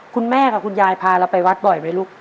คุณยายกับคุณยายพาเราไปวัดบ่อยไหมลูก